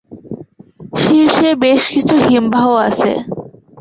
শীর্ষে বেশ কিছু হিমবাহ আছে।